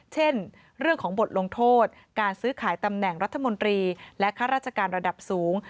เช่นเรื่องของบทลงโทษการซื้อขายตำแหน่งรัฐมนตรีและข้าราชการระดับสูง